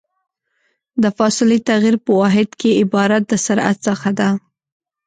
د فاصلې تغير په واحد وخت کې عبارت د سرعت څخه ده.